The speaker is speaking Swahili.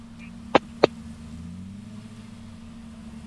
Mkojo hugeuka rangi iliyokolea weusi na kunuka au kutoa harufu mbaya